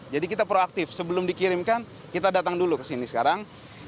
jadi kita proaktif sebelum dikirimkan kita datang dulu ke sini sekarang